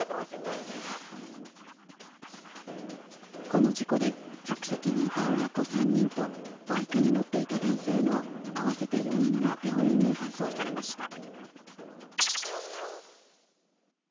この事故で客席にいた親子３人とバイクに乗っていた男性の合わせて４人が病院に搬送されました。